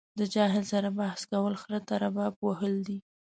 له جاهل سره بحث کول خره ته رباب وهل دي.